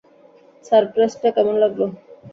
সারপ্রাইজটা কেমন লাগল?